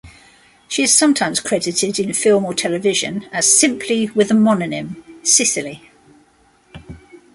She is sometimes credited in film or television as simply with a mononym Sicily.